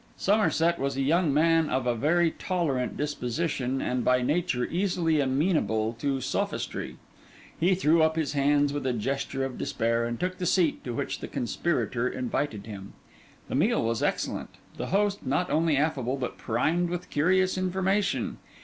Somerset was a young man of a very tolerant disposition and by nature easily amenable to sophistry. He threw up his hands with a gesture of despair, and took the seat to which the conspirator invited him. The meal was excellent; the host not only affable, but primed with curious information.